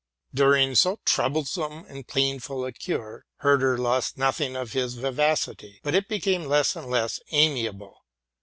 During so troublesome and painful a cure, Herder lost nothing of his vivacity ; but it became less and less amiable.